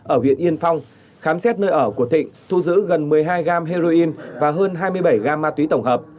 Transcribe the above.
ở huyện yên phong khám xét nơi ở của thịnh thu giữ gần một mươi hai gam heroin và hơn hai mươi bảy gam ma túy tổng hợp